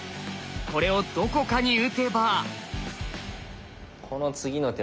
これをどこかに打てば。